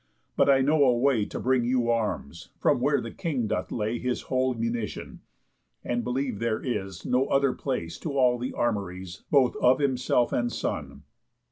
But I know a way To bring you arms, from where the King doth lay His whole munition; and believe there is No other place to all the armories Both of himself and son."